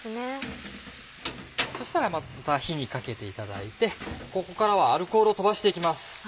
そしたらまた火にかけていただいてここからはアルコールを飛ばして行きます。